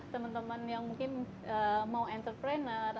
teman teman yang mungkin mau entrepreneur